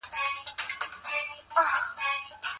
ښه خلک د انصاف په تله خبري کوي.